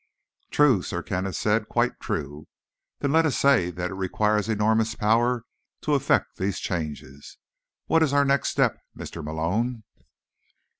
"True," Sir Kenneth said. "Quite true. Then let us say that it requires enormous power to effect these changes. What is our next step, Mr. Malone?"